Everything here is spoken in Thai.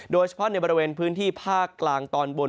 โดยเฉพาะในบริเวณพื้นที่ภาคกลางตอนบน